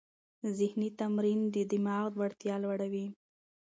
ذهني تمرین د دماغ وړتیا لوړوي.